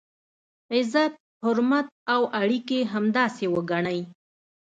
عزت، حرمت او اړیکي همداسې وګڼئ.